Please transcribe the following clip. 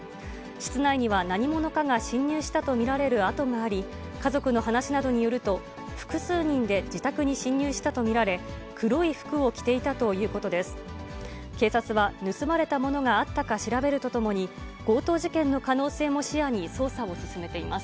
室内には何者かが侵入したと見られる跡があり、家族の話などによると、複数人で自宅に侵入したと見られ、黒い服を着ていたということです。